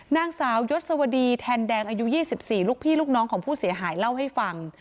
นางสาวยศวดีแทนแดงอายุ๒๔ลูกพี่ลูกน้องของผู้เสียหายเล่าให้ฟัง